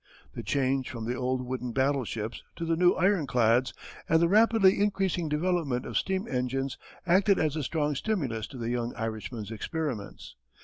The change from the old wooden battleships to the new ironclads and the rapidly increasing development of steam engines acted as a strong stimulus to the young Irishman's experiments.